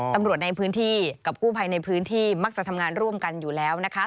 ตำรวจในพื้นที่กับกู้ภัยในพื้นที่มักจะทำงานร่วมกันอยู่แล้วนะคะ